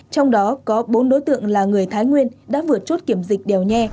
trong đó có bốn đối tượng là người thái nguyên đã vượt chốt kiểm dịch đèo nhe